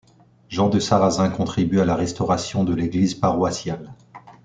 Jean de Sarrazin contribue à la restauration de l'Église paroissiale.